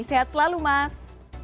sehat selalu mas